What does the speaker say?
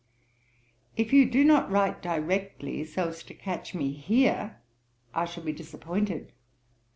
' 'If you do not write directly, so as to catch me here, I shall be disappointed.